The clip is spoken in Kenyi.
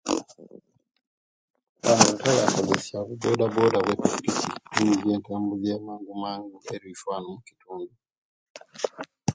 Tutera kukozesia bu bodaboda bwepikipiki nibwo entabula eya mangu mangu eri ife wano mukitundu